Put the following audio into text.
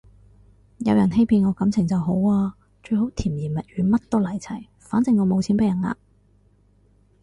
有人欺騙我感情就好啊，最好甜言蜜語乜都嚟齊，反正我冇錢畀人呃